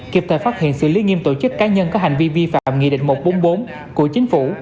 kịp thời phát hiện xử lý nghiêm tổ chức cá nhân có hành vi vi phạm nghị định một trăm bốn mươi bốn của chính phủ